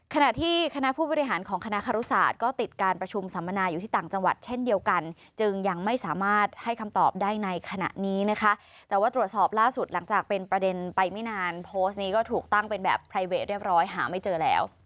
ขณะที่คณะผู้บริหารของคณะคารุศาสตร์ก็ติดการประชุมสัมมนาอยู่ที่ต่างจังหวัดเช่นเดียวกันจึงยังไม่สามารถให้คำตอบได้ในขณะนี้นะคะแต่ว่าตรวจสอบล่าสุดหลังจากเป็นประเด็นไปไม่นานโพสต์นี้ก็ถูกตั้งเป็นแบบไพรเวทเรียบร้อยหาไม่เจอแล้ว